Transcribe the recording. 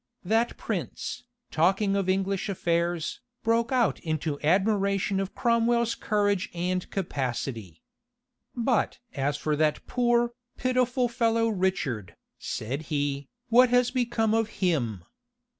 That prince, talking of English affairs, broke out into admiration of Cromwell's courage and capacity. "But as for that poor, pitiful fellow Richard," said he, "what has become of him?